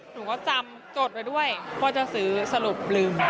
หนูก็จำจดไว้ด้วยว่าจะซื้อสรุปลืม